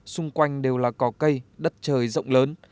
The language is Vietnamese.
xung quanh đều là cỏ cây đất trời rộng lớn